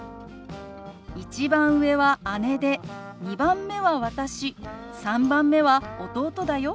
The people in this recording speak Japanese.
「１番上は姉で２番目は私３番目は弟だよ」。